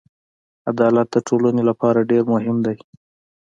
عدالت د ټولنې لپاره ډېر مهم دی.